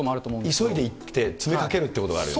急いで行って、詰めかけるっていうことがあるよね。